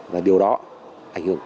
và điều đó ảnh hưởng